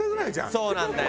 そうなんだよ。